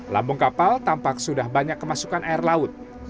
lambung kapal tampak sudah banyak kemasukan air laut